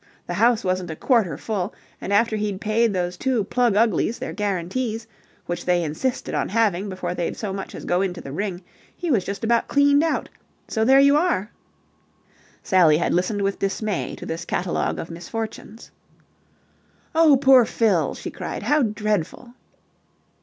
The house wasn't a quarter full, and after he'd paid these two pluguglies their guarantees, which they insisted on having before they'd so much as go into the ring, he was just about cleaned out. So there you are!" Sally had listened with dismay to this catalogue of misfortunes. "Oh, poor Fill!" she cried. "How dreadful!"